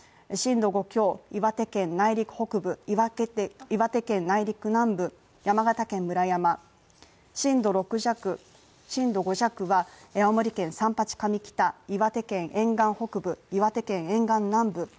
震度５強、岩手県内陸北部、岩手県内陸南部、山形県村山震度６弱、震度５弱は青森県、岩手県沿岸北部岩手県沿岸南部